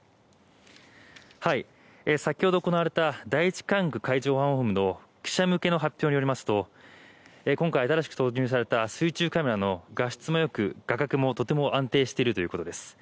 先ほど行われた第一管区海上保安本部の記者向けの発表によりますと今回、新しく投入された水中カメラの画質もよく画角もとても安定しているということです。